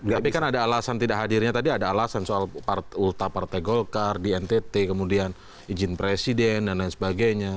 tapi kan ada alasan tidak hadirnya tadi ada alasan soal ulta partai golkar di ntt kemudian izin presiden dan lain sebagainya